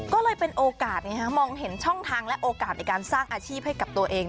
ก็เลยเป็นโอกาสมองเห็นช่องทางและโอกาสในการสร้างอาชีพให้กับตัวเอง